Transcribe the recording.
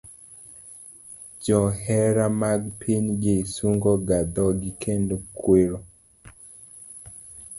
Johera mag pinygi sungo ga dhogi kendo kwero